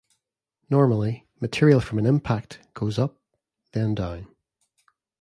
Normally, material from an impact goes up, then down.